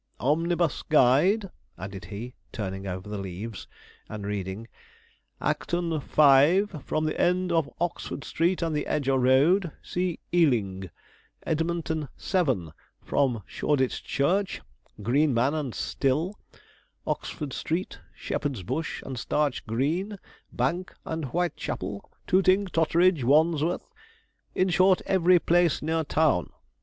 Omnibus guide,' added he, turning over the leaves, and reading, 'Acton five, from the end of Oxford Street and the Edger Road see Ealing; Edmonton seven, from Shoreditch Church "Green Man and Still" Oxford Street Shepherd's Bush and Starch Green, Bank, and Whitechapel Tooting Totteridge Wandsworth; in short, every place near town.